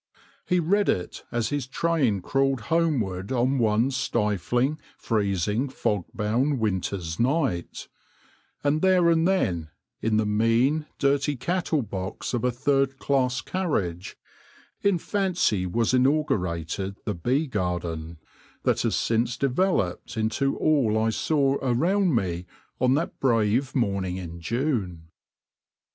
He read it as his train crawled homeward on one stifling, freezing, fog bound winter's night ; and there and then, in the mean, dirty cattle box of a third class carriage, in fancy was inaugurated the bee garden, that has since developed into all I saw around me on that brave morning in June.